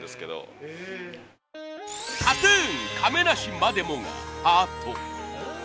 ＫＡＴ−ＴＵＮ亀梨までもがハート。